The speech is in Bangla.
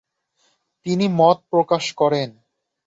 তিনি মত প্রকাশ করেন।